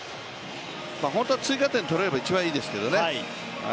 本当は追加点取れれば一番いいですけどね。